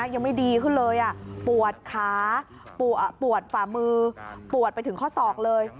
ยังไม่ดีขึ้นเลยปวดขาปวดฝ่ามือปวดไปถึงข้อศอกเลย